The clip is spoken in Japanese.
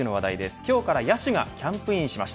今日から野手がキャンプインしました。